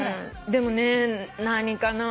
でもね何かな。